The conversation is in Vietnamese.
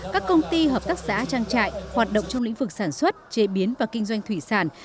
các công ty hợp tác xã trang trại hoạt động trong lĩnh vực sản xuất chế biến và kinh doanh thủy sản